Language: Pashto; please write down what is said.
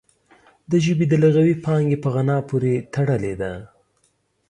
د ژبې د لغوي پانګې په غنا پورې تړلې ده